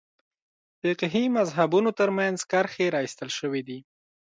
فقهي مذهبونو تر منځ کرښې راایستل شوې دي.